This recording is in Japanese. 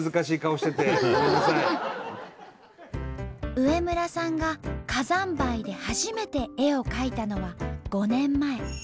植村さんが火山灰で初めて絵を描いたのは５年前。